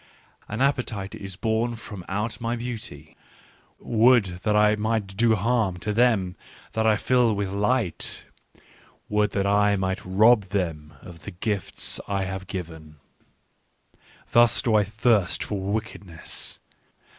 " An appetite is born from out my beauty : would that I might do harm to them that I fill with light ; would that I might rob them of the gifts I have given :— thus do I thirst for wickedness.